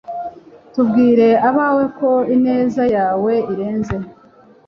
tubwire abawe ko ineza yawe irenze